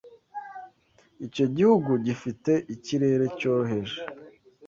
Icyo gihugu gifite ikirere cyoroheje.